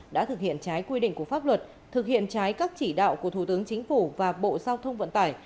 đã thực hiện trái quy định của pháp luật thực hiện trái các chỉ đạo của thủ tướng chính phủ và bộ giao thông vận tải